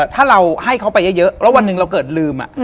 ถ้าเราให้เขาไปเยอะแล้ววันหนึ่งเราเกิดลืม